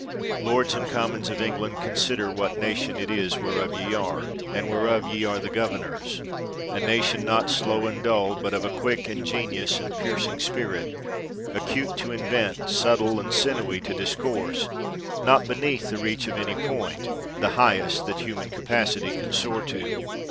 Lords and commons of England, consider what Nation it is whereof ye are, and whereof ye are the governors: a nation not slow and dull, but of a quick, ingenious and piercing spirit, acute to invent, subtle and sinewy to discourse, not beneath the reach of any point, the highest that human capacity can soar to.